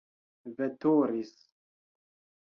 veturis